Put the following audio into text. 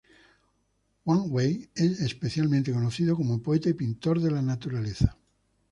Wang Wei es especialmente conocido como poeta y pintor de la naturaleza.